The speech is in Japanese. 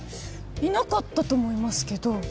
いなかったと思いますけど。